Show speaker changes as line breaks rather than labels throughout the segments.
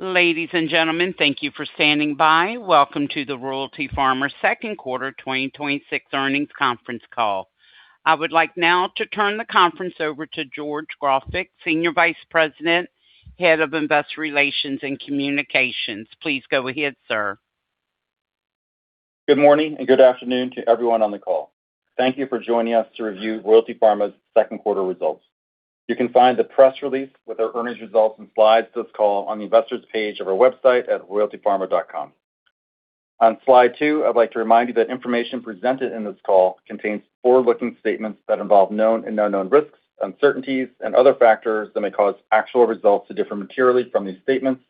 Ladies and gentlemen, thank you for standing by. Welcome to the Royalty Pharma second quarter 2026 earnings conference call. I would like now to turn the conference over to George Grofik, Senior Vice President, Head of Investor Relations and Communications. Please go ahead, sir.
Good morning, and good afternoon to everyone on the call. Thank you for joining us to review Royalty Pharma's second quarter results. You can find the press release with our earnings results and slides to this call on the investors page of our website at royaltypharma.com. On slide two, I'd like to remind you that information presented in this call contains forward-looking statements that involve known and unknown risks, uncertainties, and other factors that may cause actual results to differ materially from these statements.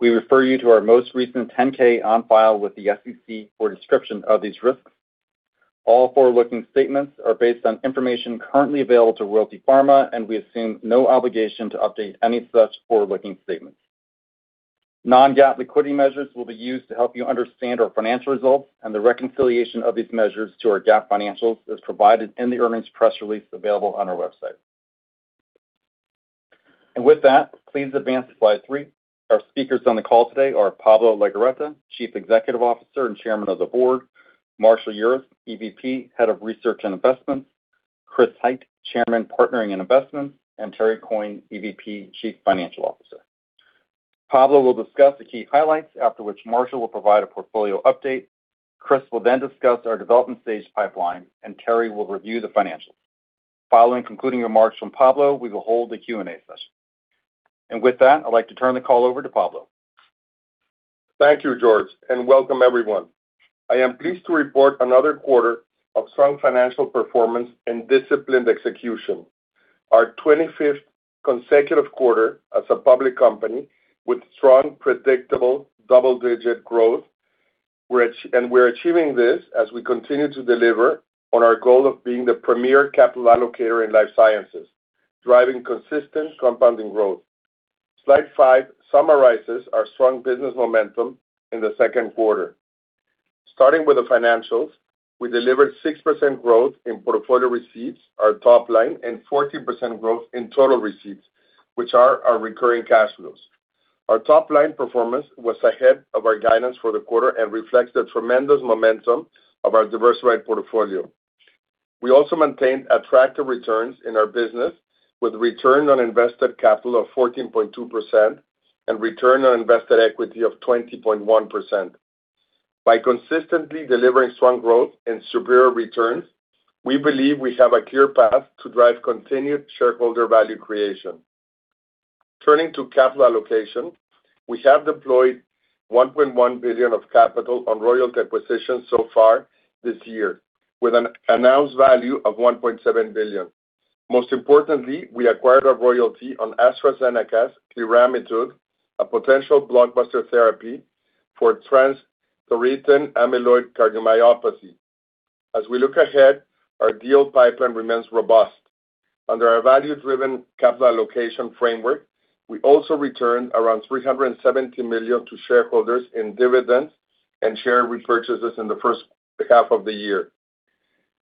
We refer you to our most recent 10-K on file with the SEC for a description of these risks. All forward-looking statements are based on information currently available to Royalty Pharma, and we assume no obligation to update any such forward-looking statements. Non-GAAP liquidity measures will be used to help you understand our financial results, the reconciliation of these measures to our GAAP financials is provided in the earnings press release available on our website. With that, please advance to slide three. Our speakers on the call today are Pablo Legorreta, Chief Executive Officer and Chairman of the Board, Marshall Urist, EVP, Head of Research and Investments, Chris Hite, Chairman, Partnering and Investments, and Terry Coyne, EVP, Chief Financial Officer. Pablo will discuss the key highlights, after which Marshall will provide a portfolio update. Chris will then discuss our development stage pipeline, and Terry will review the financials. Following concluding remarks from Pablo, we will hold a Q&A session. With that, I'd like to turn the call over to Pablo.
Thank you, George, and welcome everyone. I am pleased to report another quarter of strong financial performance and disciplined execution. Our 25th consecutive quarter as a public company with strong, predictable double-digit growth, and we're achieving this as we continue to deliver on our goal of being the premier capital allocator in life sciences, driving consistent compounding growth. Slide five summarizes our strong business momentum in the second quarter. Starting with the financials, we delivered 6% growth in portfolio receipts, our top line, and 14% growth in total receipts, which are our recurring cash flows. Our top-line performance was ahead of our guidance for the quarter and reflects the tremendous momentum of our diversified portfolio. We also maintained attractive returns in our business with return on invested capital of 14.2% and return on invested equity of 20.1%. By consistently delivering strong growth and superior returns, we believe we have a clear path to drive continued shareholder value creation. Turning to capital allocation, we have deployed $1.1 billion of capital on royalty acquisitions so far this year, with an announced value of $1.7 billion. Most importantly, we acquired a royalty on AstraZeneca's cliramitug, a potential blockbuster therapy for transthyretin amyloid cardiomyopathy. As we look ahead, our deal pipeline remains robust. Under our value-driven capital allocation framework, we also returned around $370 million to shareholders in dividends and share repurchases in the first half of the year.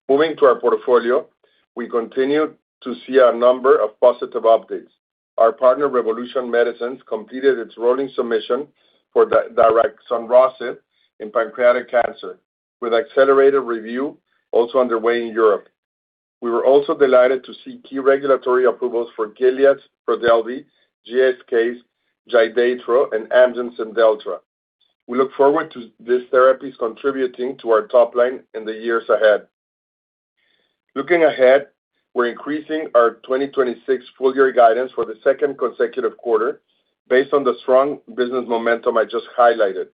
Moving to our portfolio, we continue to see a number of positive updates. Our partner, Revolution Medicines, completed its rolling submission for daraxonrasib in pancreatic cancer, with accelerated review also underway in Europe. We were also delighted to see key regulatory approvals for Gilead's Trodelvy, GSK's Jideytro, and Amgen's IMDELLTRA. We look forward to these therapies contributing to our top line in the years ahead. Looking ahead, we're increasing our 2026 full-year guidance for the second consecutive quarter based on the strong business momentum I just highlighted.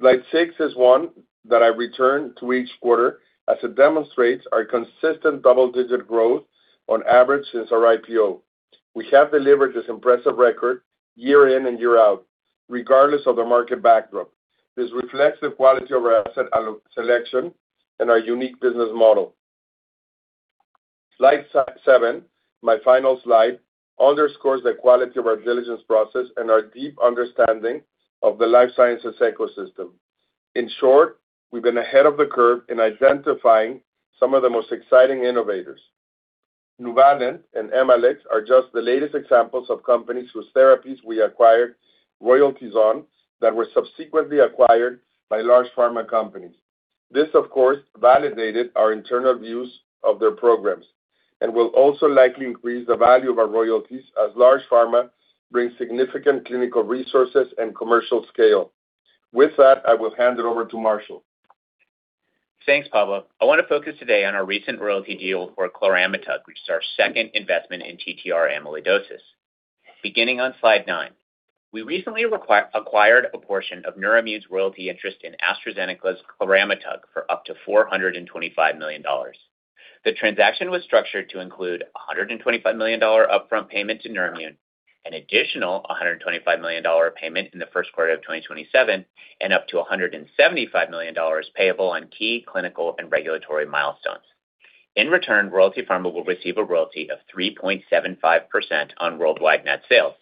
Slide six is one that I return to each quarter as it demonstrates our consistent double-digit growth on average since our IPO. We have delivered this impressive record year in and year out, regardless of the market backdrop. This reflects the quality of our asset selection and our unique business model. Slide seven, my final slide, underscores the quality of our diligence process and our deep understanding of the life sciences ecosystem. In short, we've been ahead of the curve in identifying some of the most exciting innovators. Nuvalent and Emalex are just the latest examples of companies whose therapies we acquired royalties on that were subsequently acquired by large pharma companies. This, of course, validated our internal views of their programs and will also likely increase the value of our royalties as large pharma brings significant clinical resources and commercial scale. With that, I will hand it over to Marshall.
Thanks, Pablo. I want to focus today on our recent royalty deal for cliramitug, which is our second investment in TTR amyloidosis. Beginning on slide nine, we recently acquired a portion of Neurimmune's royalty interest in AstraZeneca's cliramitug for up to $425 million. The transaction was structured to include a $125 million upfront payment to Neurimmune, an additional $125 million payment in the first quarter of 2027, and up to $175 million payable on key clinical and regulatory milestones. In return, Royalty Pharma will receive a royalty of 3.75% on worldwide net sales.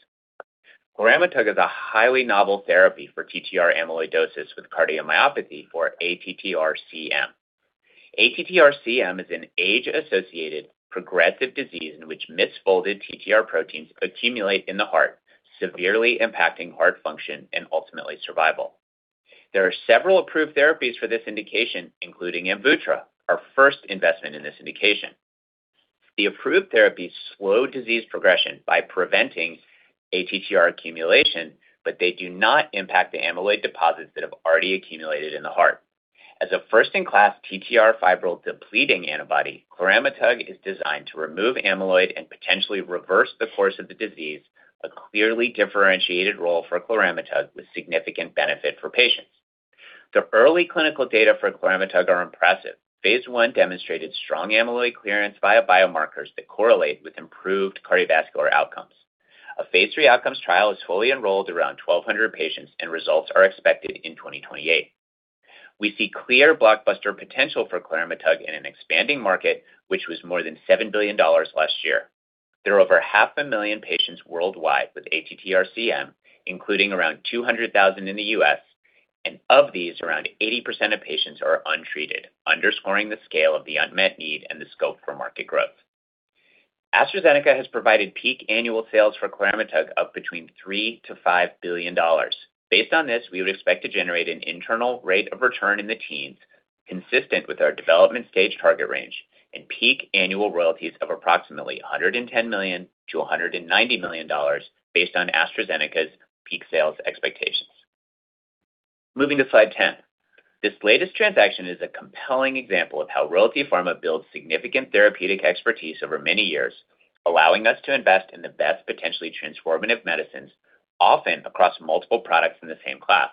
Cliramitug is a highly novel therapy for TTR amyloidosis with cardiomyopathy, or ATTR-CM. ATTR-CM is an age-associated progressive disease in which misfolded TTR proteins accumulate in the heart, severely impacting heart function and ultimately survival. There are several approved therapies for this indication, including AMVUTTRA, our first investment in this indication. The approved therapies slow disease progression by preventing ATTR accumulation, but they do not impact the amyloid deposits that have already accumulated in the heart. As a first-in-class TTR fibril-depleting antibody, cliramitug is designed to remove amyloid and potentially reverse the course of the disease, a clearly differentiated role for cliramitug with significant benefit for patients. The early clinical data for cliramitug are impressive. Phase I demonstrated strong amyloid clearance via biomarkers that correlate with improved cardiovascular outcomes. A phase III outcomes trial is fully enrolled around 1,200 patients, and results are expected in 2028. We see clear blockbuster potential for cliramitug in an expanding market, which was more than $7 billion last year. There are over half a million patients worldwide with ATTR-CM, including around 200,000 in the U.S., and of these, around 80% of patients are untreated, underscoring the scale of the unmet need and the scope for market growth. AstraZeneca has provided peak annual sales for cliramitug of between $3 billion-$5 billion. Based on this, we would expect to generate an internal rate of return in the teens, consistent with our development stage target range, and peak annual royalties of approximately $110 million-$190 million based on AstraZeneca's peak sales expectations. Moving to slide 10. This latest transaction is a compelling example of how Royalty Pharma builds significant therapeutic expertise over many years, allowing us to invest in the best potentially transformative medicines, often across multiple products in the same class.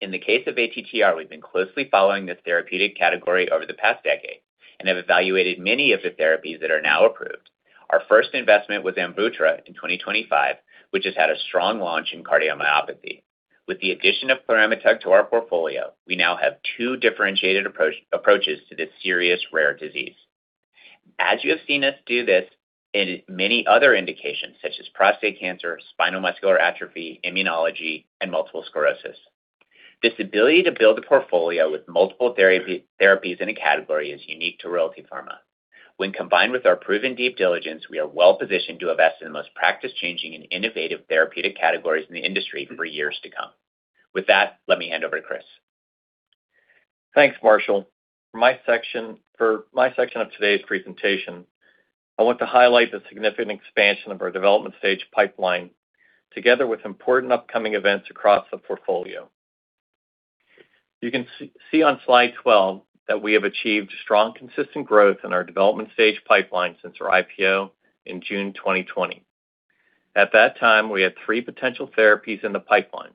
In the case of ATTR, we've been closely following this therapeutic category over the past decade and have evaluated many of the therapies that are now approved. Our first investment was AMVUTTRA in 2025, which has had a strong launch in cardiomyopathy. With the addition of cliramitug to our portfolio, we now have two differentiated approaches to this serious, rare disease, as you have seen us do this in many other indications such as prostate cancer, spinal muscular atrophy, immunology, and multiple sclerosis. This ability to build a portfolio with multiple therapies in a category is unique to Royalty Pharma. When combined with our proven deep diligence, we are well-positioned to invest in the most practice-changing and innovative therapeutic categories in the industry for years to come. With that, let me hand over to Chris.
Thanks, Marshall. For my section of today's presentation, I want to highlight the significant expansion of our development stage pipeline, together with important upcoming events across the portfolio. You can see on slide 12 that we have achieved strong, consistent growth in our development stage pipeline since our IPO in June 2020. At that time, we had three potential therapies in the pipeline.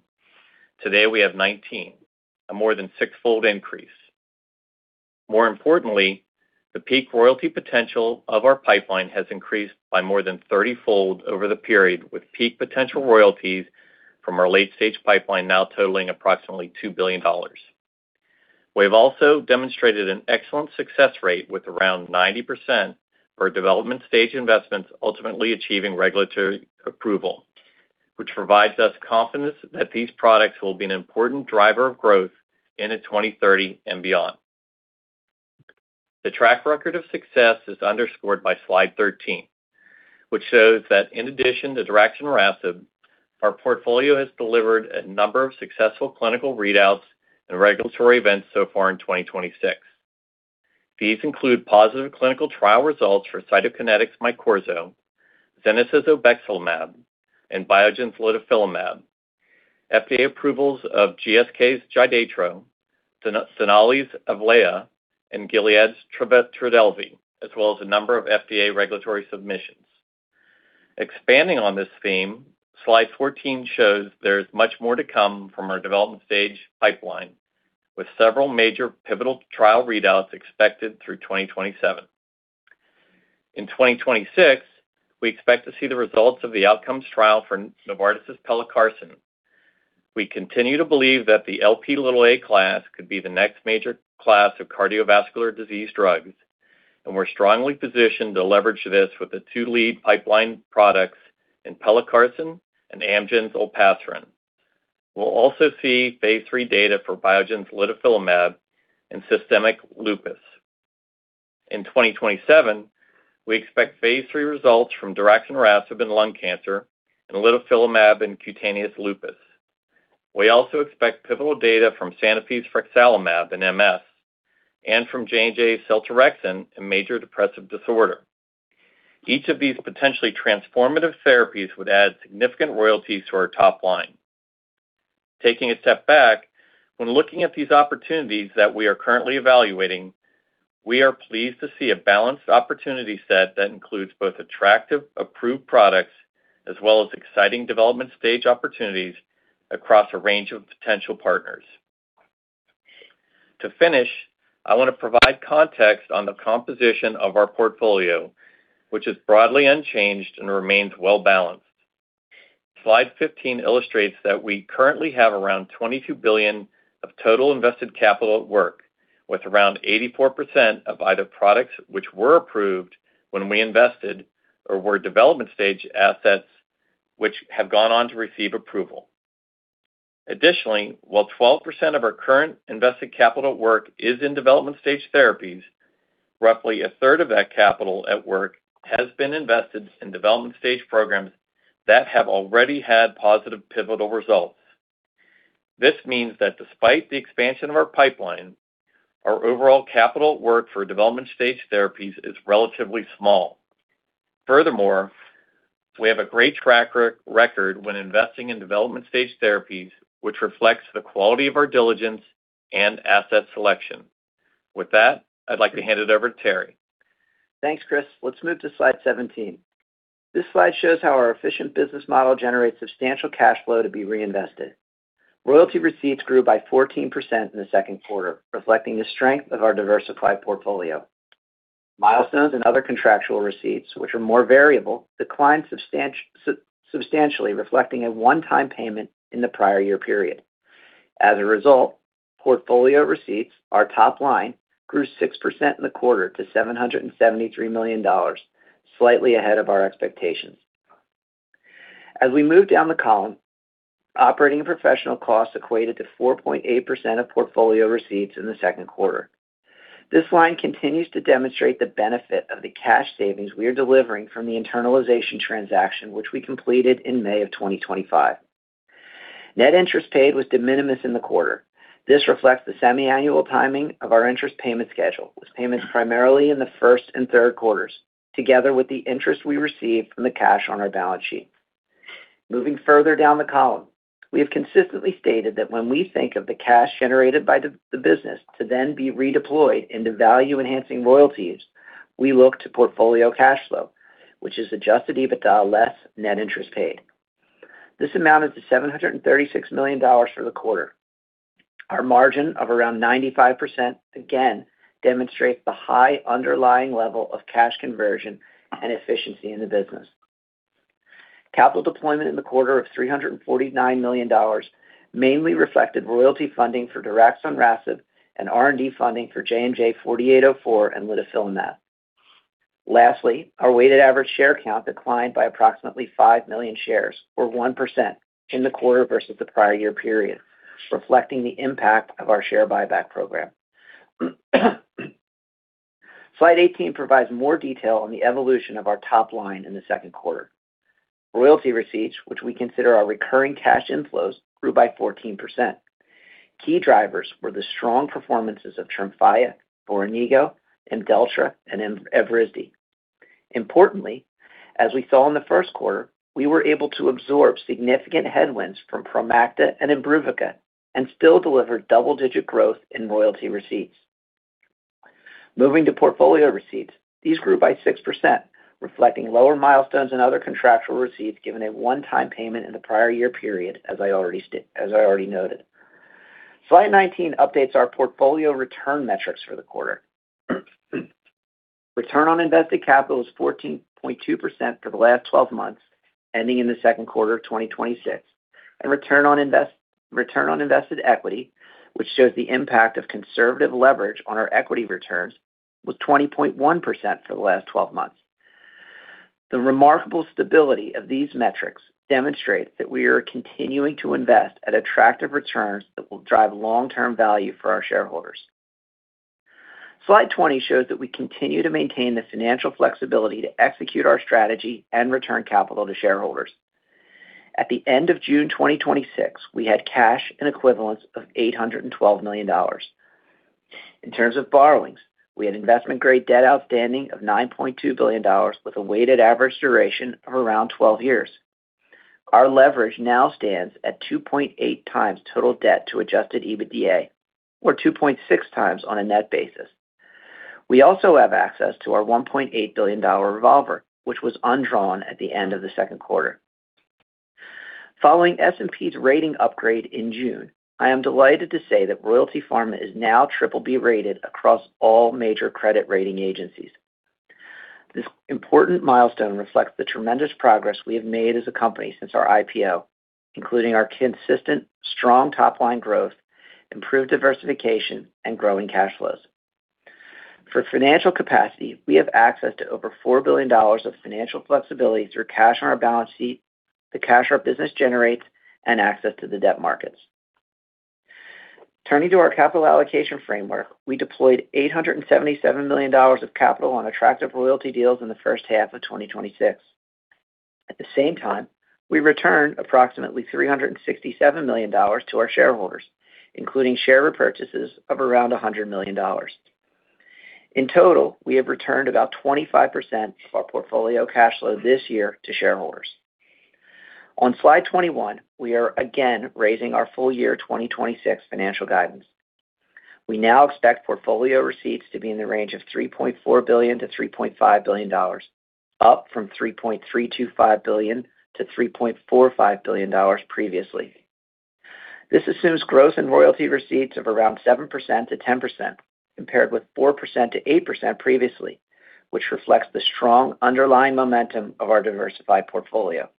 Today, we have 19, a more than six-fold increase. More importantly, the peak royalty potential of our pipeline has increased by more than 30 fold over the period, with peak potential royalties from our late-stage pipeline now totaling approximately $2 billion. We have also demonstrated an excellent success rate, with around 90% for development-stage investments ultimately achieving regulatory approval, which provides us confidence that these products will be an important driver of growth into 2030 and beyond. The track record of success is underscored by slide 13, which shows that in addition to daraxonrasib, our portfolio has delivered a number of successful clinical readouts and regulatory events so far in 2026. These include positive clinical trial results for Cytokinetics' MYQORZO, Zena's obexilumab, and Biogen's litifilimab, FDA approvals of GSK's Jideytro, Denali's Avlayah, and Gilead's Trodelvy, as well as a number of FDA regulatory submissions. Expanding on this theme, slide 14 shows there is much more to come from our development stage pipeline, with several major pivotal trial readouts expected through 2027. In 2026, we expect to see the results of the outcomes trial for Novartis' pelacarsen. We continue to believe that the Lp(a) class could be the next major class of cardiovascular disease drugs, and we're strongly positioned to leverage this with the two lead pipeline products in pelacarsen and Amgen's olpasiran. We'll also see phase III data for Biogen's litifilimab in systemic lupus. In 2027, we expect phase III results from daraxonrasib in lung cancer and litifilimab in cutaneous lupus. We also expect pivotal data from Sanofi's frexalimab in MS, and from J&J's seltorexant in major depressive disorder. Each of these potentially transformative therapies would add significant royalties to our top line. Taking a step back, when looking at these opportunities that we are currently evaluating, we are pleased to see a balanced opportunity set that includes both attractive approved products as well as exciting development-stage opportunities across a range of potential partners. To finish, I want to provide context on the composition of our portfolio, which is broadly unchanged and remains well-balanced. Slide 15 illustrates that we currently have around $22 billion of total invested capital at work, with around 84% of either products which were approved when we invested or were development-stage assets which have gone on to receive approval. Additionally, while 12% of our current invested capital at work is in development stage therapies, roughly a third of that capital at work has been invested in development stage programs that have already had positive pivotal results. This means that despite the expansion of our pipeline, our overall capital at work for development stage therapies is relatively small. Furthermore, we have a great track record when investing in development stage therapies, which reflects the quality of our diligence and asset selection. With that, I'd like to hand it over to Terry.
Thanks, Chris. Let's move to slide 17. This slide shows how our efficient business model generates substantial cash flow to be reinvested. Royalty receipts grew by 14% in the second quarter, reflecting the strength of our diversified portfolio. Milestones and other contractual receipts, which are more variable, declined substantially, reflecting a one-time payment in the prior year period. As a result, portfolio receipts, our top line, grew 6% in the quarter to $773 million, slightly ahead of our expectations. As we move down the column, operating professional costs equated to 4.8% of portfolio receipts in the second quarter. This line continues to demonstrate the benefit of the cash savings we are delivering from the internalization transaction, which we completed in May of 2025. Net interest paid was de minimis in the quarter. This reflects the semi-annual timing of our interest payment schedule, with payments primarily in the first and third quarters, together with the interest we received from the cash on our balance sheet. Moving further down the column, we have consistently stated that when we think of the cash generated by the business to then be redeployed into value-enhancing royalties, we look to portfolio cash flow, which is adjusted EBITDA less net interest paid. This amounted to $736 million for the quarter. Our margin of around 95% again demonstrates the high underlying level of cash conversion and efficiency in the business. Capital deployment in the quarter of $349 million mainly reflected royalty funding for daraxonrasib and R&D funding for JNJ-4804 and litifilimab. Lastly, our weighted average share count declined by approximately 5 million shares, or 1%, in the quarter versus the prior year period, reflecting the impact of our share buyback program. Slide 18 provides more detail on the evolution of our top line in the second quarter. Royalty receipts, which we consider our recurring cash inflows, grew by 14%. Key drivers were the strong performances of Tremfya, Voranigo, IMDELLTRA, and Evrysdi. Importantly, as we saw in the first quarter, we were able to absorb significant headwinds from Promacta and IMBRUVICA and still deliver double-digit growth in royalty receipts. Moving to portfolio receipts, these grew by 6%, reflecting lower milestones and other contractual receipts, given a one-time payment in the prior year period, as I already noted. Slide 19 updates our portfolio return metrics for the quarter. Return on invested capital is 14.2% for the last 12 months, ending in the second quarter of 2026. Return on invested equity, which shows the impact of conservative leverage on our equity returns, was 20.1% for the last 12 months. The remarkable stability of these metrics demonstrates that we are continuing to invest at attractive returns that will drive long-term value for our shareholders. Slide 20 shows that we continue to maintain the financial flexibility to execute our strategy and return capital to shareholders. At the end of June 2026, we had cash and equivalents of $812 million. In terms of borrowings, we had investment-grade debt outstanding of $9.2 billion with a weighted average duration of around 12 years. Our leverage now stands at 2.8x total debt to adjusted EBITDA, or 2.6x on a net basis. We also have access to our $1.8 billion revolver, which was undrawn at the end of the second quarter. Following S&P's rating upgrade in June, I am delighted to say that Royalty Pharma is now BBB rated across all major credit rating agencies. This important milestone reflects the tremendous progress we have made as a company since our IPO, including our consistent strong top-line growth, improved diversification, and growing cash flows. For financial capacity, we have access to over $4 billion of financial flexibility through cash on our balance sheet, the cash our business generates, and access to the debt markets. Turning to our capital allocation framework, we deployed $877 million of capital on attractive royalty deals in the first half of 2026. At the same time, we returned approximately $367 million to our shareholders, including share repurchases of around $100 million. In total, we have returned about 25% of our portfolio cash flow this year to shareholders. On slide 21, we are again raising our full year 2026 financial guidance. We now expect portfolio receipts to be in the range of $3.4 billion-$3.5 billion, up from $3.325 billion-$3.45 billion previously. This assumes growth in royalty receipts of around 7%-10%, compared with 4%-8% previously, which reflects the strong underlying momentum of our diversified portfolio.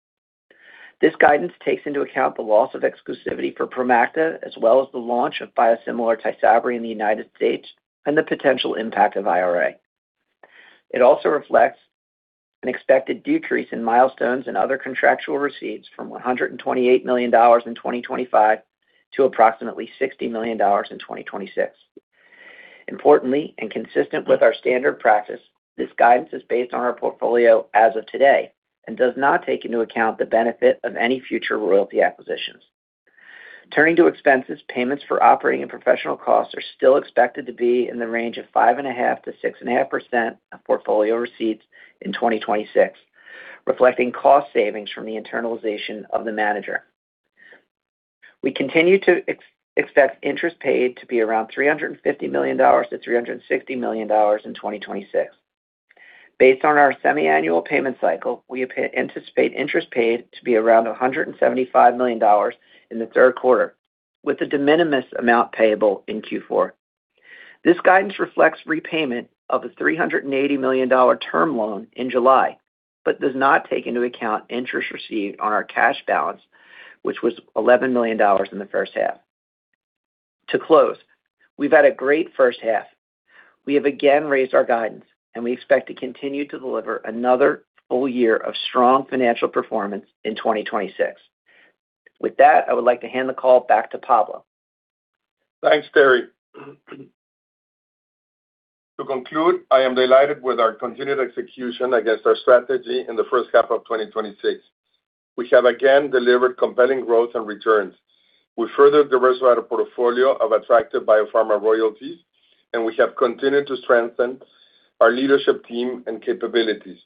This guidance takes into account the loss of exclusivity for PROMACTA, as well as the launch of biosimilar Tysabri in the United States and the potential impact of IRA. It also reflects an expected decrease in milestones and other contractual receipts from $128 million in 2025 to approximately $60 million in 2026. Importantly, and consistent with our standard practice, this guidance is based on our portfolio as of today and does not take into account the benefit of any future royalty acquisitions. Turning to expenses, payments for operating and professional costs are still expected to be in the range of 5.5%-6.5% of portfolio receipts in 2026, reflecting cost savings from the internalization of the manager. We continue to expect interest paid to be around $350 million-$360 million in 2026. Based on our semi-annual payment cycle, we anticipate interest paid to be around $175 million in the third quarter, with a de minimis amount payable in Q4. This guidance reflects repayment of the $380 million term loan in July, but does not take into account interest received on our cash balance, which was $11 million in the first half. To close, we've had a great first half. We have again raised our guidance, and we expect to continue to deliver another full year of strong financial performance in 2026. With that, I would like to hand the call back to Pablo.
Thanks, Terry. To conclude, I am delighted with our continued execution against our strategy in the first half of 2026. We have again delivered compelling growth and returns. We further diversified our portfolio of attractive biopharma royalties, and we have continued to strengthen our leadership team and capabilities.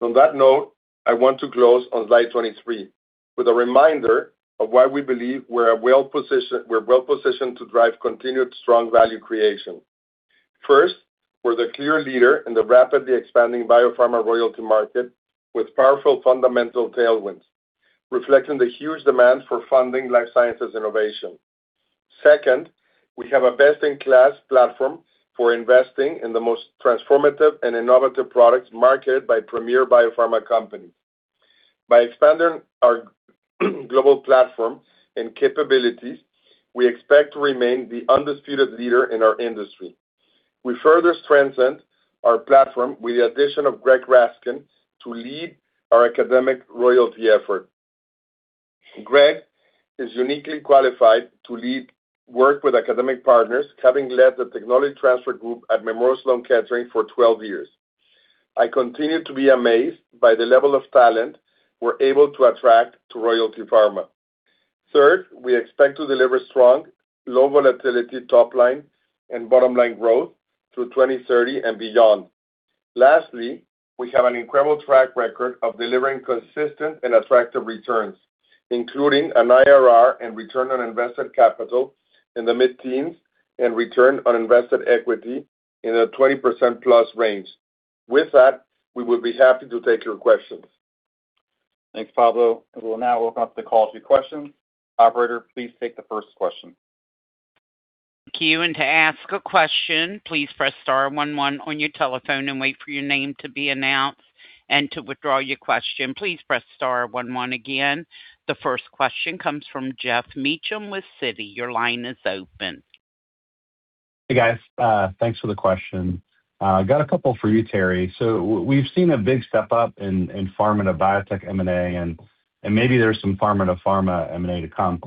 On that note, I want to close on slide 23 with a reminder of why we believe we're well-positioned to drive continued strong value creation. First, we're the clear leader in the rapidly expanding biopharma royalty market with powerful fundamental tailwinds, reflecting the huge demand for funding life sciences innovation. Second, we have a best-in-class platform for investing in the most transformative and innovative products marketed by premier biopharma companies. By expanding our global platform and capabilities, we expect to remain the undisputed leader in our industry. We further strengthened our platform with the addition of Greg Raskin to lead our academic royalty effort. Greg is uniquely qualified to lead work with academic partners, having led the technology transfer group at Memorial Sloan Kettering for 12 years. I continue to be amazed by the level of talent we're able to attract to Royalty Pharma. Third, we expect to deliver strong, low-volatility top-line and bottom-line growth through 2030 and beyond. Lastly, we have an incredible track record of delivering consistent and attractive returns, including an IRR and return on invested capital in the mid-teens and return on invested equity in the 20%+ range. With that, we will be happy to take your questions.
Thanks, Pablo. We'll now open up the call to questions. Operator, please take the first question.
Thank you. To ask a question, please press star one one on your telephone and wait for your name to be announced. To withdraw your question, please press star one one again. The first question comes from Geoff Meacham with Citi. Your line is open.
Hey, guys. Thanks for the question. Got a couple for you, Terry. We've seen a big step-up in pharma-to-biotech M&A, maybe there's some pharma-to-pharma M&A to come.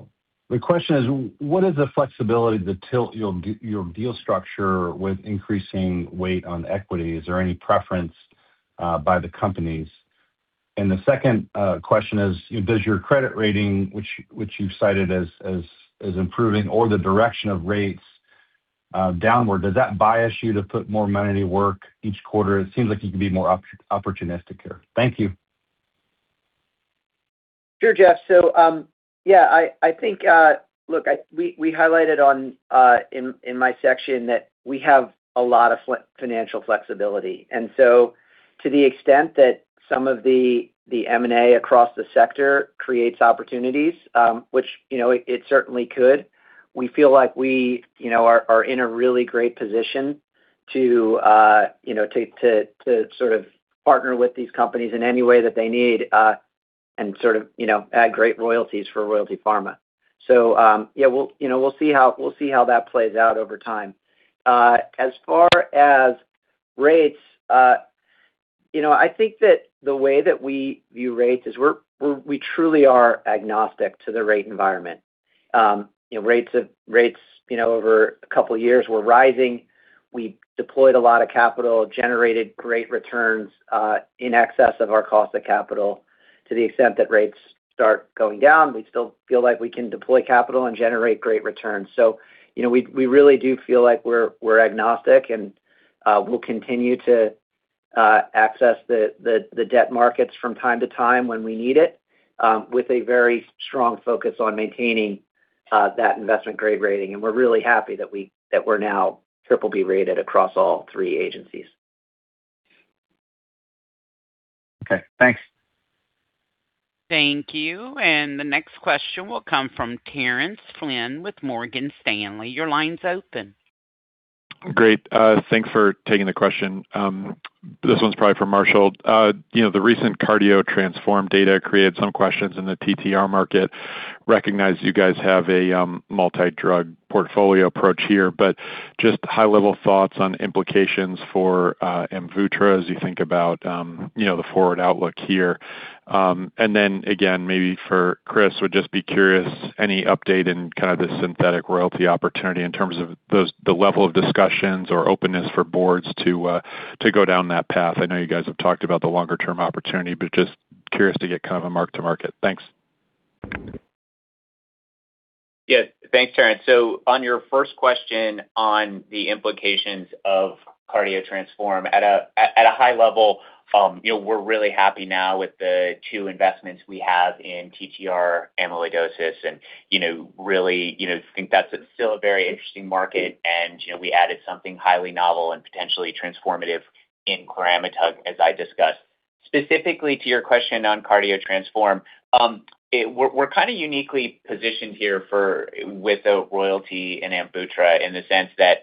The question is, what is the flexibility to tilt your deal structure with increasing weight on equity? Is there any preference by the companies? The second question is, does your credit rating, which you've cited as improving, or the direction of rates downward, does that bias you to put more money to work each quarter? It seems like you can be more opportunistic here. Thank you.
Sure, Geoff. We highlighted in my section that we have a lot of financial flexibility. To the extent that some of the M&A across the sector creates opportunities, which it certainly could, we feel like we are in a really great position to sort of partner with these companies in any way that they need and add great royalties for Royalty Pharma. We'll see how that plays out over time. As far as rates, I think that the way that we view rates is we truly are agnostic to the rate environment. Rates over a couple of years were rising. We deployed a lot of capital, generated great returns in excess of our cost of capital. To the extent that rates start going down, we still feel like we can deploy capital and generate great returns. We really do feel like we're agnostic, and we'll continue to access the debt markets from time to time when we need it, with a very strong focus on maintaining that investment-grade rating. We're really happy that we're now BBB-rated across all three agencies.
Okay, thanks.
Thank you. The next question will come from Terence Flynn with Morgan Stanley. Your line's open.
Great. Thanks for taking the question. This one's probably for Marshall. The recent CARDIO-TTRansform data created some questions in the TTR market. Recognize you guys have a multi-drug portfolio approach here. Just high-level thoughts on implications for AMVUTTRA as you think about the forward outlook here. Again, maybe for Chris, would just be curious, any update in the synthetic royalty opportunity in terms of the level of discussions or openness for boards to go down that path? I know you guys have talked about the longer-term opportunity. Just curious to get a mark-to-market. Thanks.
Yes. Thanks, Terence. On your first question on the implications of CARDIO-TTRansform, at a high level, we're really happy now with the two investments we have in TTR amyloidosis and really think that's still a very interesting market. We added something highly novel and potentially transformative in cliramitug, as I discussed. Specifically to your question on CARDIO-TTRansform, we're uniquely positioned here with the royalty in AMVUTTRA in the sense that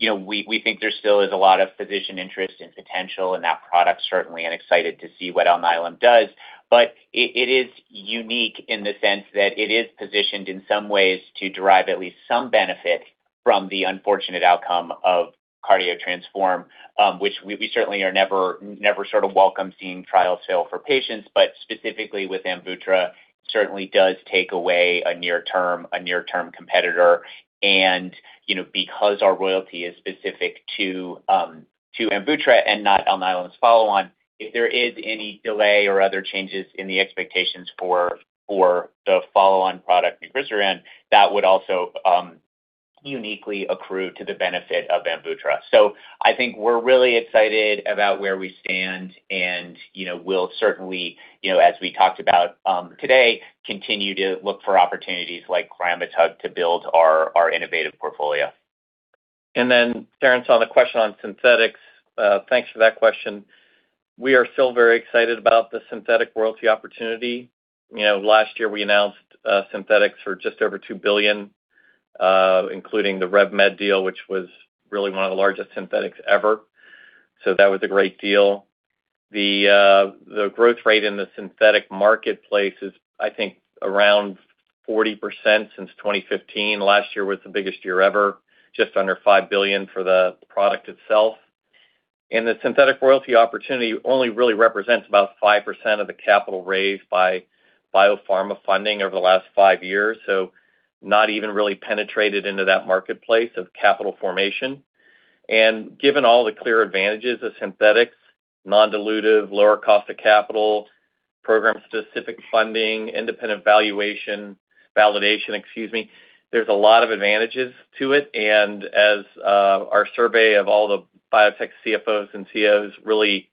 we think there still is a lot of physician interest and potential in that product, certainly, and excited to see what Alnylam does. It is unique in the sense that it is positioned in some ways to derive at least some benefit from the unfortunate outcome of CARDIO-TTRansform, which we certainly never welcome seeing trials fail for patients. Specifically with AMVUTTRA, certainly does take away a near-term competitor. Because our royalty is specific to AMVUTTRA and not Alnylam's follow-on, if there is any delay or other changes in the expectations for the follow-on product, Nucresiran, that would also uniquely accrue to the benefit of AMVUTTRA. I think we're really excited about where we stand. We'll certainly, as we talked about today, continue to look for opportunities like cliramitug to build our innovative portfolio.
Then, Terence, on the question on synthetics. Thanks for that question. We are still very excited about the synthetic royalty opportunity. Last year, we announced synthetics for just over $2 billion, including the RevMed deal, which was really one of the largest synthetics ever. That was a great deal. The growth rate in the synthetic marketplace is, I think, around 40% since 2015. Last year was the biggest year ever, just under $5 billion for the product itself. The synthetic royalty opportunity only really represents about 5% of the capital raised by biopharma funding over the last five years. Not even really penetrated into that marketplace of capital formation. Given all the clear advantages of synthetics, non-dilutive, lower cost of capital, program-specific funding, independent valuation, validation, excuse me, there's a lot of advantages to it. As our survey of all the biotech CFOs and CEOs really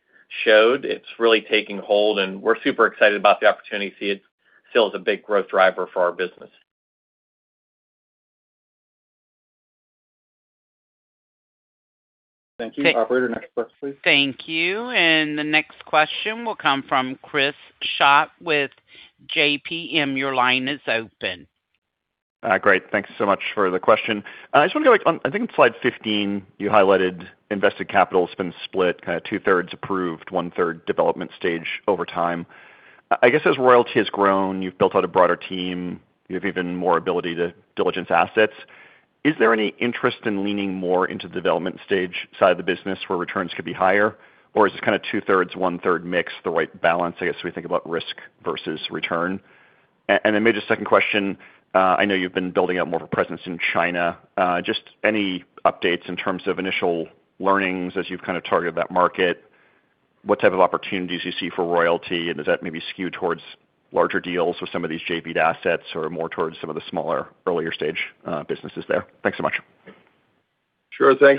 showed, it's really taking hold, and we're super excited about the opportunity, see it still as a big growth driver for our business.
Thank you. Operator, next question, please.
Thank you. The next question will come from Chris Schott with JPM. Your line is open.
Great. Thank you so much for the question. I just wonder, I think on slide 15, you highlighted invested capital has been split two-thirds approved, one-third development stage over time. I guess as Royalty has grown, you've built out a broader team, you have even more ability to diligence assets. Is there any interest in leaning more into the development stage side of the business where returns could be higher? Or is this two-thirds, one-third mix the right balance, I guess, as we think about risk versus return? Then maybe the second question, I know you've been building out more of a presence in China. Just any updates in terms of initial learnings as you've targeted that market, what type of opportunities you see for Royalty Pharma, and does that maybe skew towards larger deals with some of these JPed assets or more towards some of the smaller, earlier-stage businesses there? Thanks so much.
Regarding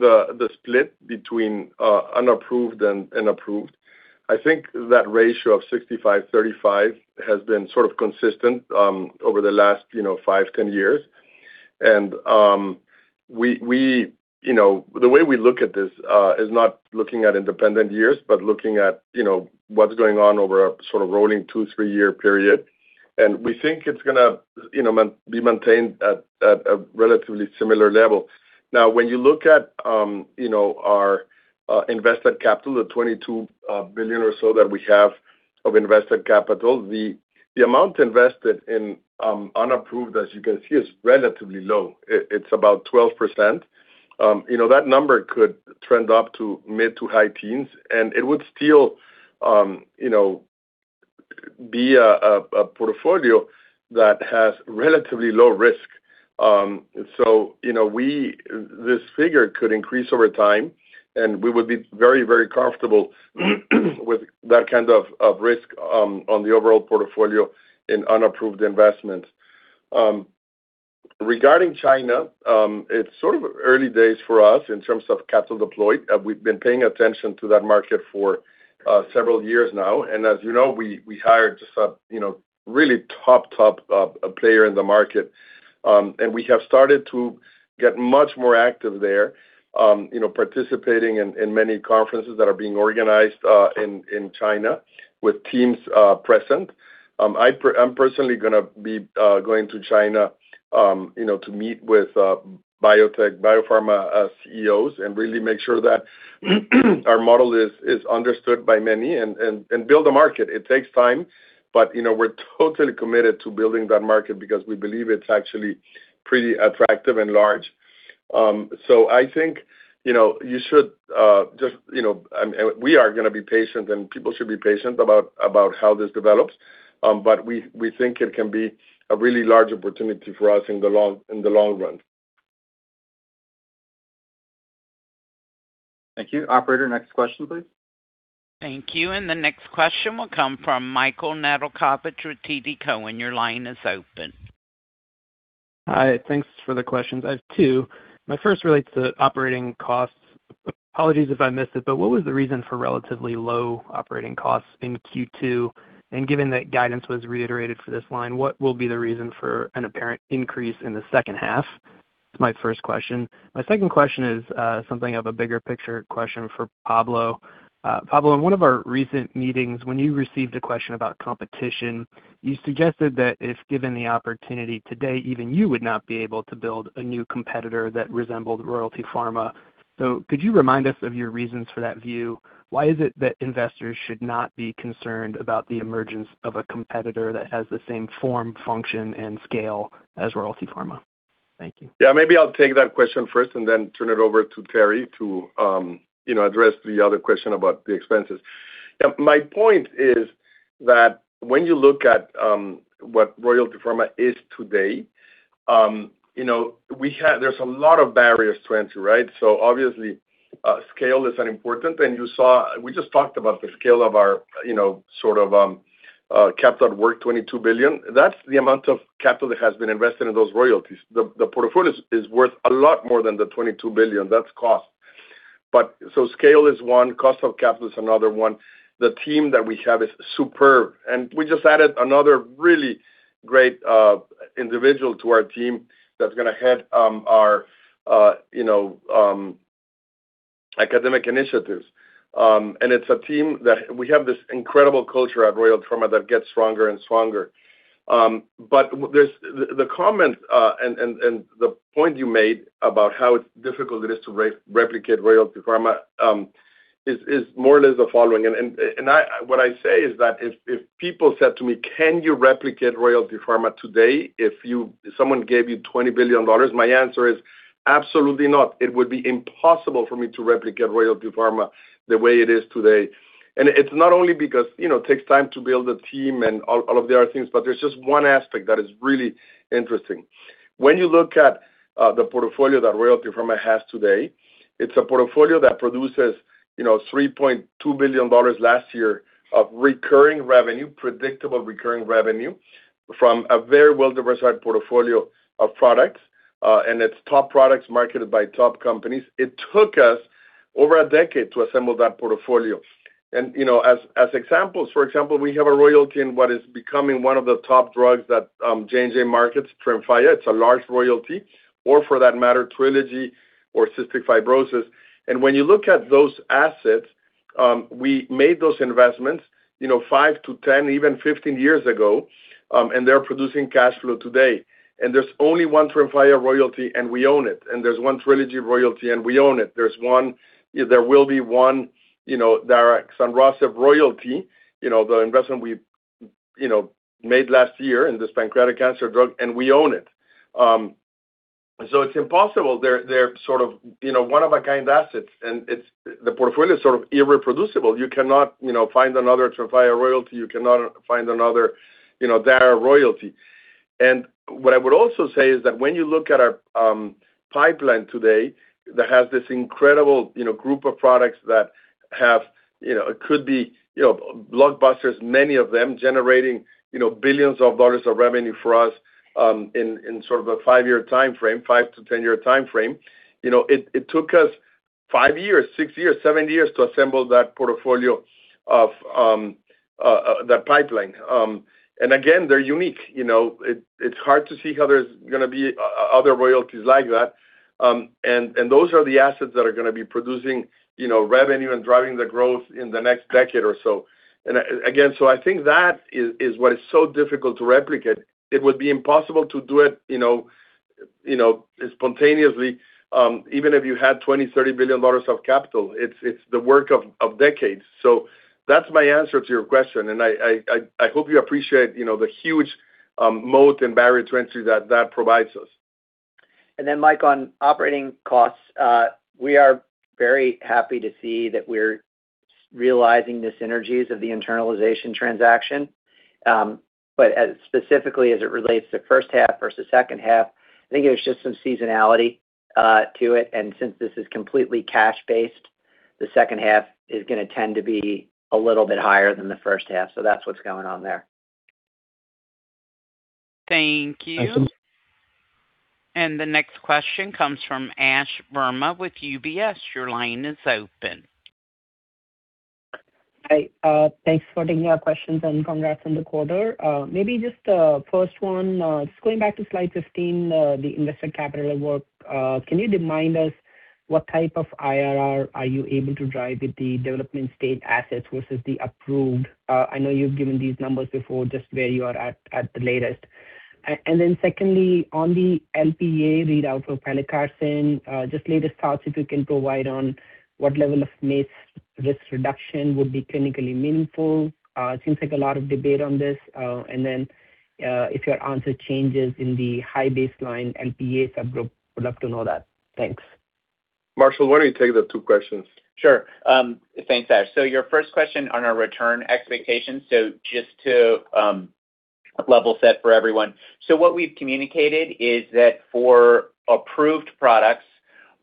the split between unapproved and approved, I think that ratio of 65/35 has been sort of consistent over the last five, 10 years. The way we look at this is not looking at independent years, but looking at what's going on over a rolling two, three-year period. We think it's going to be maintained at a relatively similar level. Now, when you look at our invested capital, the $22 billion or so that we have of invested capital, the amount invested in unapproved, as you can see, is relatively low. It's about 12%. That number could trend up to mid to high-teens, and it would still be a portfolio that has relatively low risk. This figure could increase over time, and we would be very comfortable with that kind of risk on the overall portfolio in unapproved investments. Regarding China, it's sort of early days for us in terms of capital deployed. We've been paying attention to that market for several years now. As you know, we hired just a really top player in the market. We have started to get much more active there, participating in many conferences that are being organized in China with teams present. I'm personally going to be going to China to meet with biotech, biopharma CEOs, and really make sure that our model is understood by many and build a market. It takes time, but we're totally committed to building that market because we believe it's actually pretty attractive and large. I think we are going to be patient, and people should be patient about how this develops. We think it can be a really large opportunity for us in the long run.
Thank you. Operator, next question, please.
Thank you. The next question will come from Michael Nedelcovych with TD Cowen. Your line is open.
Hi, thanks for the questions. I have two. My first relates to operating costs. Apologies if I missed it, what was the reason for relatively low operating costs in Q2? Given that guidance was reiterated for this line, what will be the reason for an apparent increase in the second half? That's my first question. My second question is something of a bigger picture question for Pablo. Pablo, in one of our recent meetings, when you received a question about competition, you suggested that if given the opportunity today, even you would not be able to build a new competitor that resembled Royalty Pharma. Could you remind us of your reasons for that view? Why is it that investors should not be concerned about the emergence of a competitor that has the same form, function and scale as Royalty Pharma? Thank you.
Maybe I'll take that question first and then turn it over to Terry to address the other question about the expenses. My point is that when you look at what Royalty Pharma is today, there's a lot of barriers to entry, right? Obviously, scale is important, we just talked about the scale of our capital at work, $22 billion. That's the amount of capital that has been invested in those royalties. The portfolio is worth a lot more than the $22 billion, that's cost. Scale is one, cost of capital is another one. The team that we have is superb, we just added another really great individual to our team that's going to head our academic initiatives. We have this incredible culture at Royalty Pharma that gets stronger and stronger. The comment and the point you made about how difficult it is to replicate Royalty Pharma is more or less the following. What I say is that if people said to me, can you replicate Royalty Pharma today if someone gave you $20 billion? My answer is absolutely not. It would be impossible for me to replicate Royalty Pharma the way it is today. It's not only because it takes time to build a team and all of the other things, there's just one aspect that is really interesting. When you look at the portfolio that Royalty Pharma has today, it's a portfolio that produces $3.2 billion last year of recurring revenue, predictable recurring revenue from a very well-diversified portfolio of products, its top products marketed by top companies. It took us over a decade to assemble that portfolio. As examples, for example, we have a royalty in what is becoming one of the top drugs that Johnson & Johnson markets, Tremfya. It's a large royalty. For that matter, Trikafta for cystic fibrosis. When you look at those assets, we made those investments 5-10, even 15 years ago, and they're producing cash flow today. There's only one Tremfya royalty, and we own it. There's one Trikafta royalty, and we own it. There will be one daraxonrasib royalty, the investment we made last year in this pancreatic cancer drug, and we own it. It's impossible. They're one of a kind assets, and the portfolio is sort of irreproducible. You cannot find another Tremfya royalty. You cannot find another dara royalty. What I would also say is that when you look at our pipeline today, that has this incredible group of products that could be blockbusters, many of them generating billions of dollars of revenue for us in sort of a five-year timeframe, 5-10 year timeframe. It took us five years, six years, seven years to assemble that portfolio of that pipeline. Again, they're unique. It's hard to see how there's going to be other royalties like that. Those are the assets that are going to be producing revenue and driving the growth in the next decade or so. Again, I think that is what is so difficult to replicate. It would be impossible to do it spontaneously, even if you had $20 billion, $30 billion of capital. It's the work of decades. That's my answer to your question, I hope you appreciate the huge moat and barrier to entry that that provides us.
Mike, on operating costs, we are very happy to see that we're realizing the synergies of the internalization transaction. Specifically as it relates to first half versus second half, I think there's just some seasonality to it. Since this is completely cash-based, the second half is going to tend to be a little bit higher than the first half. That's what's going on there.
Thank you.
That's all.
The next question comes from Ash Verma with UBS. Your line is open.
Hi. Thanks for taking our questions and congrats on the quarter. Maybe just first one, just going back to slide 15, the invested capital at work. Can you remind us what type of IRR are you able to drive with the development-stage assets versus the approved? I know you've given these numbers before, just where you are at the latest. Then secondly, on the Lp(a) readout for pelacarsen, just latest thoughts if you can provide on what level of MACE risk reduction would be clinically meaningful. It seems like a lot of debate on this. Then, if your answer changes in the high baseline Lp(a) subgroup, would love to know that. Thanks.
Marshall, why don't you take the two questions?
Sure. Thanks, Ash. Your first question on our return expectations, just to level set for everyone. What we've communicated is that for approved products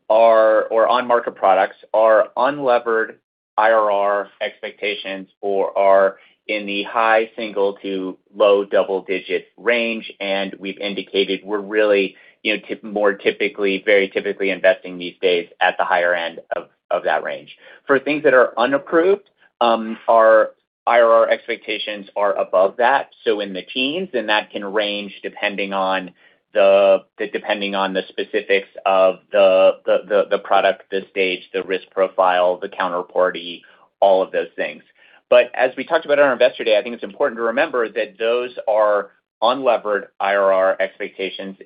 or on-market products, our unlevered IRR expectations are in the high single to low double-digit range, and we've indicated we're really very typically investing these days at the higher end of that range. For things that are unapproved, our IRR expectations are above that, in the teens, and that can range depending on the specifics of the product, the stage, the risk profile, the counterparty, all of those things. As we talked about on our Investor Day, I think it's important to remember that those are unlevered IRR expectations.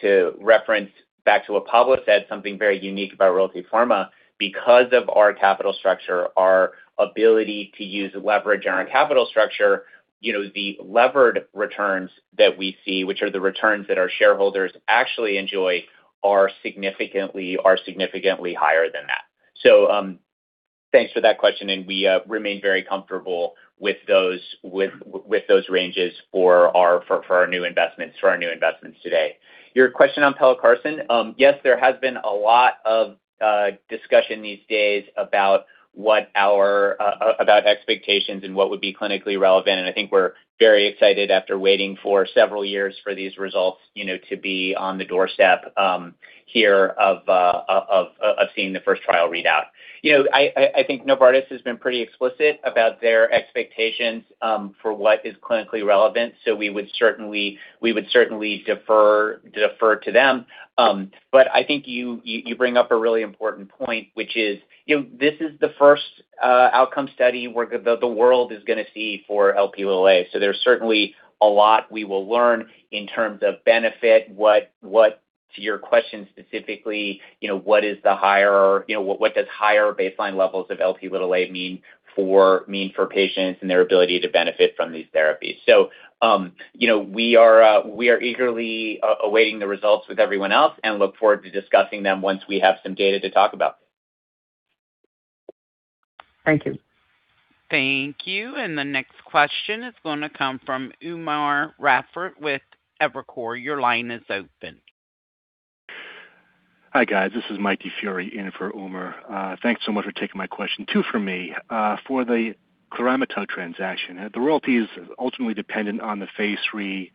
To reference back to what Pablo said, something very unique about Royalty Pharma, because of our capital structure, our ability to use leverage in our capital structure, the levered returns that we see, which are the returns that our shareholders actually enjoy, are significantly higher than that. Thanks for that question, and we remain very comfortable with those ranges for our new investments today. Your question on pelacarsen. Yes, there has been a lot of discussion these days about expectations and what would be clinically relevant, and I think we're very excited after waiting for several years for these results to be on the doorstep here of seeing the first trial readout. I think Novartis has been pretty explicit about their expectations for what is clinically relevant, we would certainly defer to them. I think you bring up a really important point, which is this is the first outcome study where the world is going to see for Lp. There's certainly a lot we will learn in terms of benefit. To your question specifically, what does higher baseline levels of Lp mean for patients and their ability to benefit from these therapies? We are eagerly awaiting the results with everyone else and look forward to discussing them once we have some data to talk about.
Thank you.
Thank you. The next question is going to come from Umer Raffat with Evercore. Your line is open.
Hi, guys. This is Mike DiFiore in for Umer. Thanks so much for taking my question. Two for me. For the cliramitug transaction, the royalty is ultimately dependent on the phase III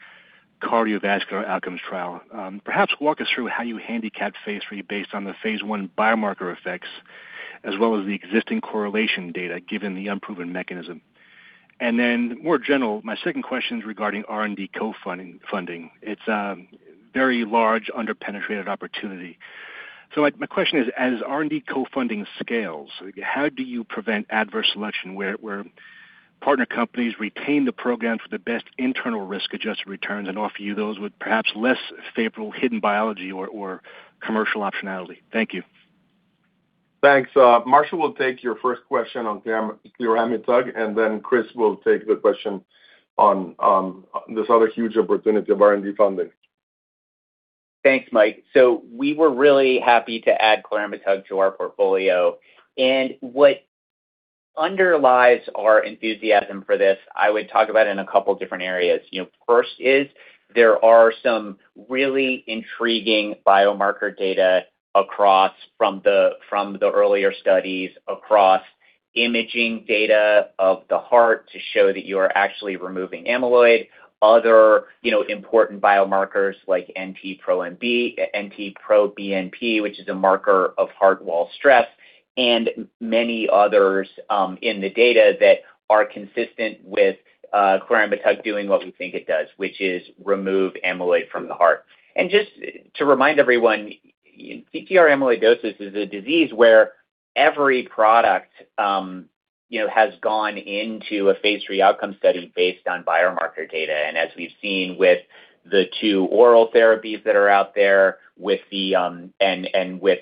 cardiovascular outcomes trial. Perhaps walk us through how you handicap phase III based on the phase I biomarker effects as well as the existing correlation data, given the unproven mechanism. Then more general, my second question is regarding R&D co-funding. It's a very large under-penetrated opportunity. My question is, as R&D co-funding scales, how do you prevent adverse selection where partner companies retain the program for the best internal risk-adjusted returns and offer you those with perhaps less favorable hidden biology or commercial optionality? Thank you.
Thanks. Marshall will take your first question on cliramitug, then Chris will take the question on this other huge opportunity of R&D funding.
Thanks, Mike. We were really happy to add cliramitug to our portfolio. What underlies our enthusiasm for this, I would talk about in a couple different areas. First is there are some really intriguing biomarker data across from the earlier studies, across imaging data of the heart to show that you are actually removing amyloid. Other important biomarkers like NT-proBNP, which is a marker of heart wall stress, and many others in the data that are consistent with cliramitug doing what we think it does, which is remove amyloid from the heart. Just to remind everyone, TTR amyloidosis is a disease where every product has gone into a phase III outcome study based on biomarker data. As we've seen with the two oral therapies that are out there and with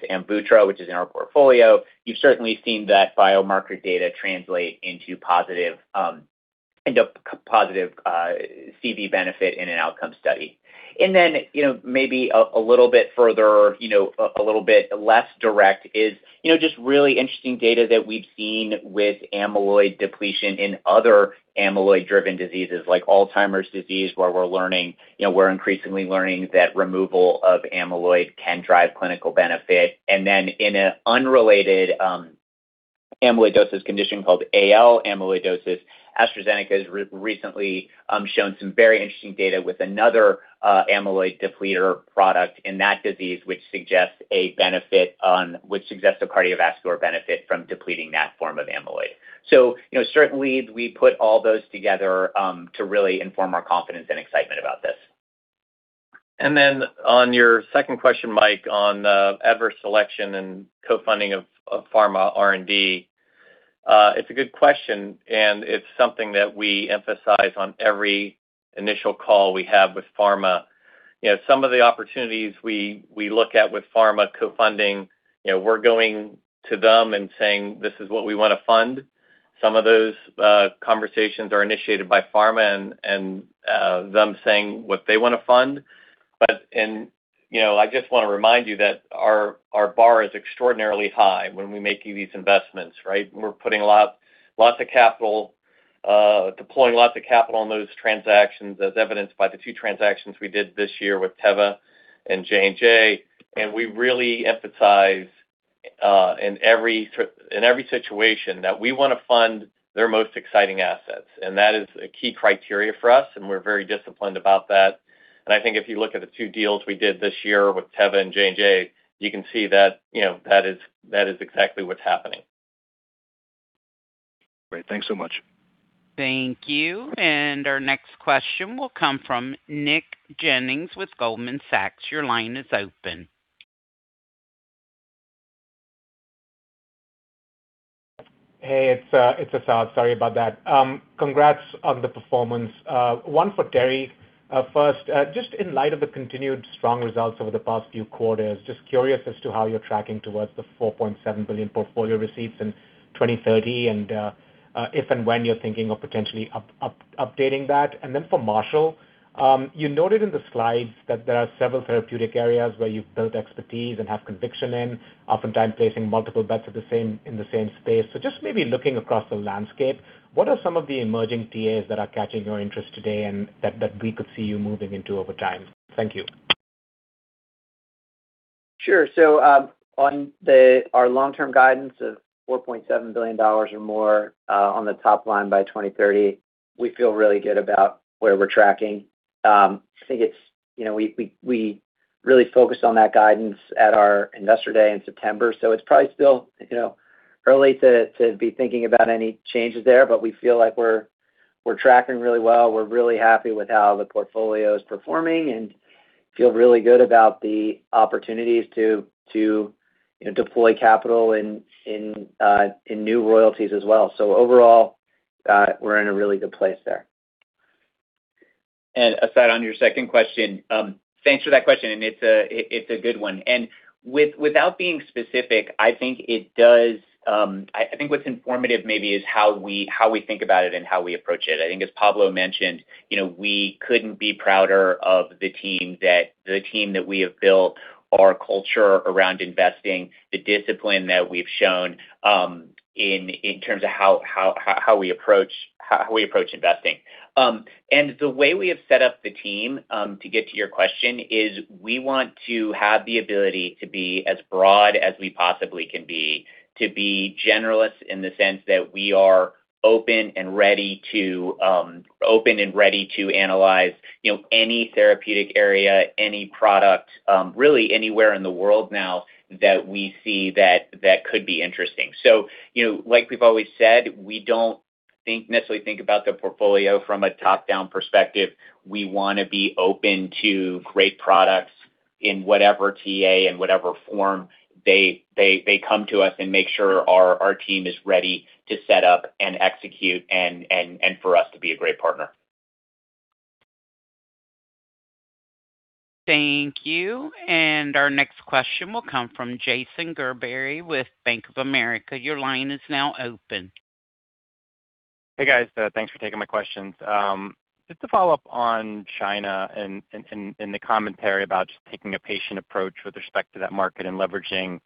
AMVUTTRA, which is in our portfolio, you've certainly seen that biomarker data translate into positive CV benefit in an outcome study. Maybe a little bit further, a little bit less direct is just really interesting data that we've seen with amyloid depletion in other amyloid-driven diseases like Alzheimer's disease, where we're increasingly learning that removal of amyloid can drive clinical benefit. In an unrelated Amyloidosis condition called AL amyloidosis, AstraZeneca has recently shown some very interesting data with another amyloid depleter product in that disease, which suggests a cardiovascular benefit from depleting that form of amyloid. Certainly, we put all those together to really inform our confidence and excitement about this.
On your second question, Mike, on adverse selection and co-funding of pharma R&D, it's a good question, and it's something that we emphasize on every initial call we have with pharma. Some of the opportunities we look at with pharma co-funding, we're going to them and saying, this is what we want to fund. Some of those conversations are initiated by pharma and them saying what they want to fund. I just want to remind you that our bar is extraordinarily high when we're making these investments, right? We're putting lots of capital, deploying lots of capital on those transactions, as evidenced by the two transactions we did this year with Teva and J&J. We really emphasize, in every situation, that we want to fund their most exciting assets. That is a key criteria for us, and we're very disciplined about that. I think if you look at the two deals we did this year with Teva and J&J, you can see that is exactly what's happening.
Great. Thanks so much.
Thank you. Our next question will come from Nick Jennings with Goldman Sachs. Your line is open.
Hey, it's Asad. Sorry about that. Congrats on the performance. One for Terry first. Just in light of the continued strong results over the past few quarters, just curious as to how you're tracking towards the $4.7 billion portfolio receipts in 2030 and if and when you're thinking of potentially updating that. For Marshall, you noted in the slides that there are several therapeutic areas where you've built expertise and have conviction in, oftentimes placing multiple bets in the same space. Just maybe looking across the landscape, what are some of the emerging TAs that are catching your interest today and that we could see you moving into over time? Thank you.
Sure. On our long-term guidance of $4.7 billion or more on the top line by 2030, we feel really good about where we're tracking. I think we really focused on that guidance at our Investor Day in September, so it's probably still early to be thinking about any changes there, but we feel like we're tracking really well. We're really happy with how the portfolio is performing and feel really good about the opportunities to deploy capital in new royalties as well. Overall, we're in a really good place there.
Asad, on your second question, thanks for that question, and it's a good one. Without being specific, I think what's informative maybe is how we think about it and how we approach it. I think as Pablo mentioned, we couldn't be prouder of the team that we have built our culture around investing, the discipline that we've shown in terms of how we approach investing. The way we have set up the team, to get to your question, is we want to have the ability to be as broad as we possibly can be, to be generalists in the sense that we are open and ready to analyze any therapeutic area, any product, really anywhere in the world now that we see that could be interesting. Like we've always said, we don't necessarily think about the portfolio from a top-down perspective. We want to be open to great products in whatever TA, in whatever form they come to us and make sure our team is ready to set up and execute and for us to be a great partner.
Thank you. Our next question will come from Jason Gerberry with Bank of America. Your line is now open.
Hey, guys. Thanks for taking my questions. Just to follow up on China and the commentary about just taking a patient approach with respect to that market and leveraging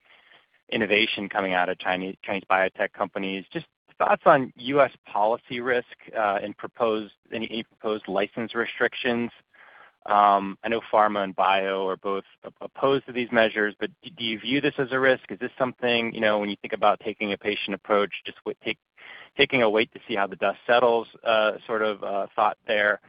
innovation coming out of Chinese biotech companies, just thoughts on U.S. policy risk, and any proposed license restrictions. I know pharma and bio are both opposed to these measures, do you view this as a risk? Is this something, when you think about taking a patient approach, just taking a wait to see how the dust settles, sort of, thought there.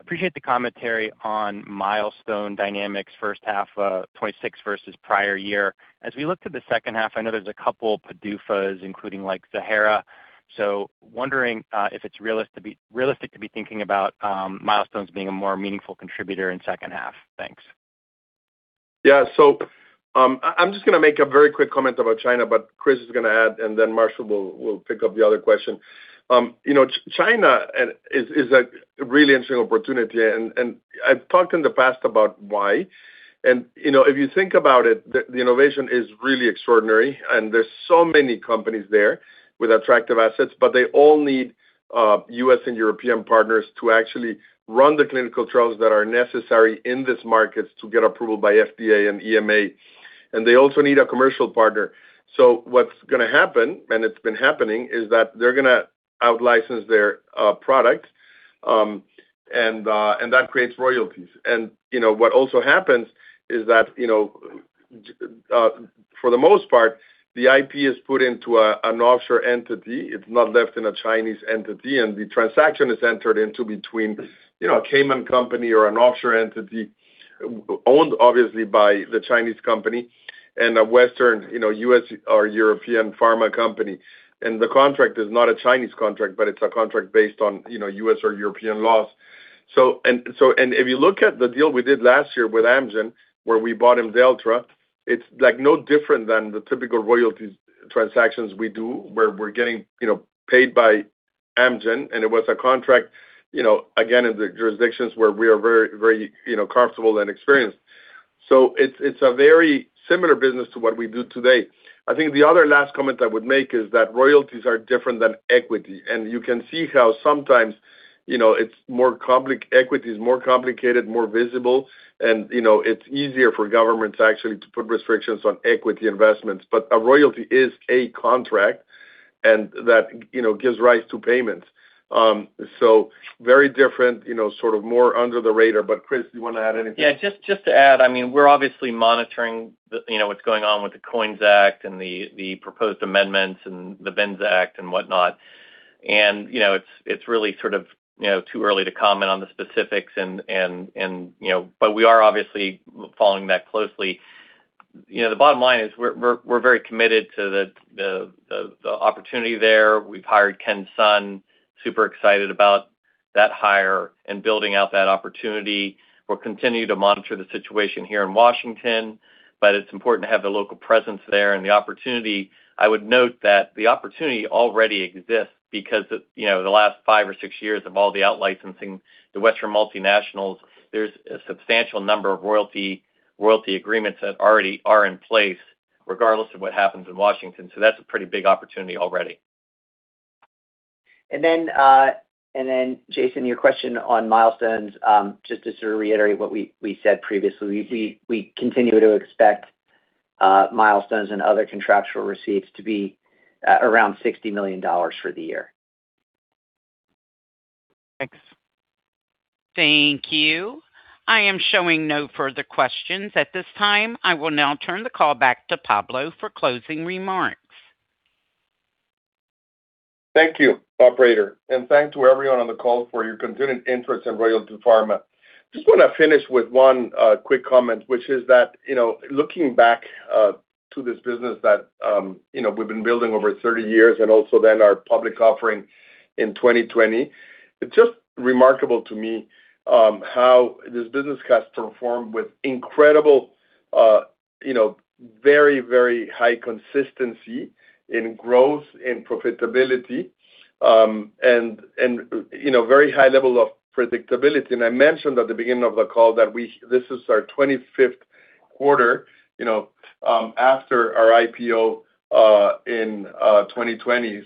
Appreciate the commentary on milestone dynamics first half 2026 versus prior year. As we look to the second half, I know there's a couple PDUFAs including like Ziihera, wondering if it's realistic to be thinking about milestones being a more meaningful contributor in second half. Thanks.
Yeah. I'm just going to make a very quick comment about China, but Chris is going to add, and then Marshall will pick up the other question. China is a really interesting opportunity. I've talked in the past about why. If you think about it, the innovation is really extraordinary, and there's so many companies there with attractive assets, but they all need U.S. and European partners to actually run the clinical trials that are necessary in these markets to get approval by FDA and EMA. They also need a commercial partner. What's going to happen, and it's been happening, is that they're going to out-license their product That creates royalties. What also happens is that for the most part, the IP is put into an offshore entity. It's not left in a Chinese entity, and the transaction is entered into between a Cayman company or an offshore entity owned obviously by the Chinese company and a Western, U.S. or European pharma company. The contract is not a Chinese contract, but it's a contract based on U.S. or European laws. If you look at the deal we did last year with Amgen, where we bought IMDELLTRA, it's no different than the typical royalties transactions we do where we're getting paid by Amgen, and it was a contract, again, in the jurisdictions where we are very comfortable and experienced. It's a very similar business to what we do today. I think the other last comment I would make is that royalties are different than equity, and you can see how sometimes equity is more complicated, more visible, and it's easier for governments actually to put restrictions on equity investments. A royalty is a contract, and that gives rise to payments. Very different, sort of more under the radar. Chris, do you want to add anything?
Yeah, just to add, we're obviously monitoring what's going on with the COINS Act and the proposed amendments and the BINS Act and whatnot. It's really sort of too early to comment on the specifics, but we are obviously following that closely. The bottom line is we're very committed to the opportunity there. We've hired Ken Sun, super excited about that hire and building out that opportunity. We'll continue to monitor the situation here in Washington, but it's important to have the local presence there and the opportunity. I would note that the opportunity already exists because the last five or six years of all the out-licensing, the Western multinationals, there's a substantial number of royalty agreements that already are in place regardless of what happens in Washington. That's a pretty big opportunity already.
Jason, your question on milestones, just to sort of reiterate what we said previously, we continue to expect milestones and other contractual receipts to be around $60 million for the year.
Thanks.
Thank you. I am showing no further questions at this time. I will now turn the call back to Pablo for closing remarks.
Thank you, operator, thanks to everyone on the call for your continued interest in Royalty Pharma. Just want to finish with one quick comment, which is that looking back to this business that we've been building over 30 years and also then our public offering in 2020, it's just remarkable to me how this business has performed with incredible, very high consistency in growth and profitability, and very high level of predictability. I mentioned at the beginning of the call that this is our 25th quarter after our IPO in 2020.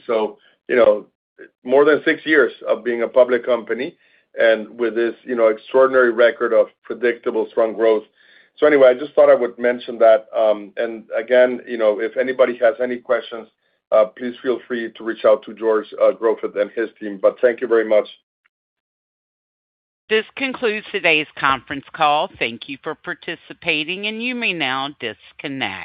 More than six years of being a public company and with this extraordinary record of predictable, strong growth. Anyway, I just thought I would mention that. Again, if anybody has any questions, please feel free to reach out to George Grofik and his team. Thank you very much.
This concludes today's conference call. Thank you for participating. You may now disconnect.